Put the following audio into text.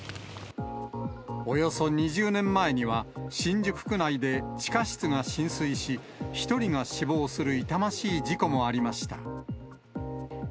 およそ２０年前には、新宿区内で地下室が浸水し、１人が死亡する痛ましい事故もありました。